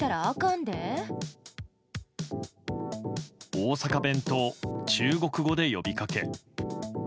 大阪弁と中国語で呼びかけ。